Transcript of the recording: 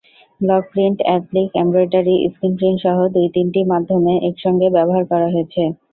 Block print, applique, embroidery, screen প্রিন্টসহ দুই-তিনটি মাধ্যম একসঙ্গে ব্যবহার করা হয়েছে।